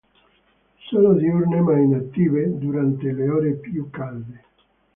Sono diurne, ma inattive durante le ore più calde.